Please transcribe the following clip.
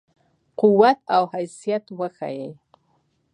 قوت او حیثیت وښيي.